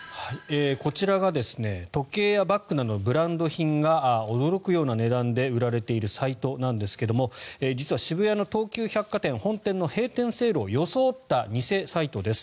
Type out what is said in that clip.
こちらは時計やバッグなどのブランド品が驚くような値段で売られているサイトなんですが実は、渋谷の東急百貨店本店の閉店セールを装った偽サイトです。